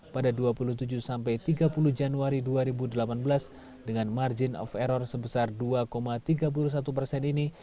pada dua puluh tujuh sampai tiga puluh januari dua ribu delapan belas dengan margin of error sebesar dua tiga puluh satu persen ini